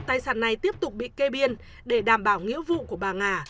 tài sản này tiếp tục bị kê biên để đảm bảo nghĩa vụ của bà nga